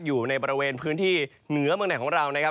อยู่ในบริเวณพื้นที่เหนือเมืองไหนของเรานะครับ